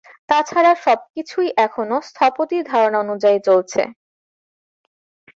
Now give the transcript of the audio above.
তা ছাড়া, সবকিছুই এখনও স্থপতির ধারণা অনুযায়ী চলছে।